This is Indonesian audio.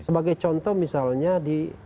sebagai contoh misalnya di